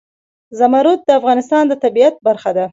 زمرد د افغانستان د طبیعت برخه ده.